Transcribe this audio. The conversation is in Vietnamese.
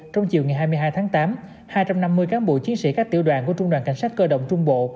trong chiều ngày hai mươi hai tháng tám hai trăm năm mươi cán bộ chiến sĩ các tiểu đoàn của trung đoàn cảnh sát cơ động trung bộ